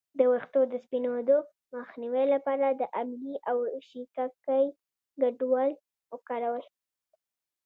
د ویښتو د سپینیدو مخنیوي لپاره د املې او شیکاکای ګډول وکاروئ